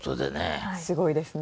すごいですね。